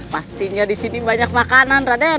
pastinya disini banyak makanan raden